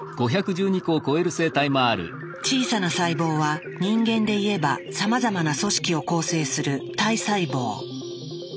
小さな細胞は人間でいえばさまざまな組織を構成する体細胞。